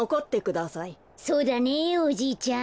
そうだねおじいちゃん。